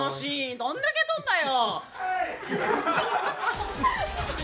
どんだけ撮んだよ！